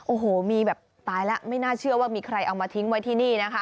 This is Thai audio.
โอ้โหมีแบบตายแล้วไม่น่าเชื่อว่ามีใครเอามาทิ้งไว้ที่นี่นะคะ